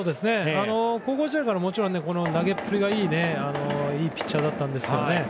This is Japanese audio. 高校時代からもちろん投げっぷりがいいいいピッチャーだったんですが。